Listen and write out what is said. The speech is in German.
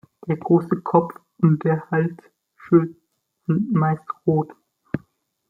Der große Kopf und der Halsschild sind meist rot.